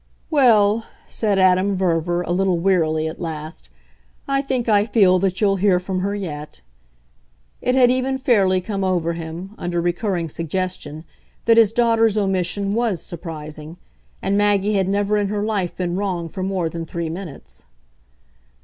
"Well," said Adam Verver a little wearily at last, "I think I feel that you'll hear from her yet." It had even fairly come over him, under recurrent suggestion, that his daughter's omission WAS surprising. And Maggie had never in her life been wrong for more than three minutes.